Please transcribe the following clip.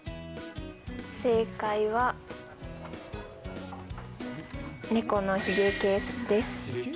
正解は猫のひげケースです。